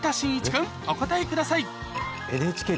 君お答えください